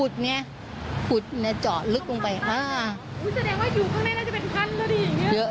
อุ๊ยแสดงว่าอยู่ข้างในน่าจะเป็นขั้นตัวดีอย่างนี้